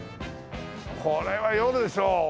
これは夜でしょう。